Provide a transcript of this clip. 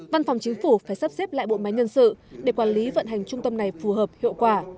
văn phòng chính phủ phải sắp xếp lại bộ máy nhân sự để quản lý vận hành trung tâm này phù hợp hiệu quả